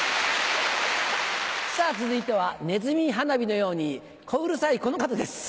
続いてはねずみ花火のように小うるさいこの方です。